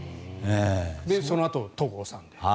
そのあと戸郷さんで。